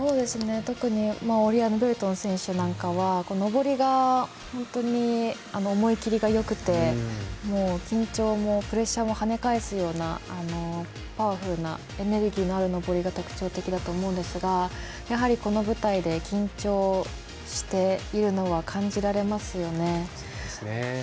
特にオリアーヌ・ベルトン選手なんかは、登りが思い切りがよくて、緊張もプレッシャーも跳ね返すようなパワフルなエネルギーのある登りが特徴的だと思いますがやはり、この舞台で緊張しているのは感じられますよね。